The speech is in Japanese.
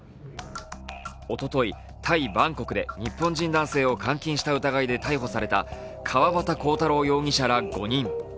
おととい、タイ・バンコクで日本人男性を監禁した疑いで逮捕された川端浩太郎容疑者ら５人。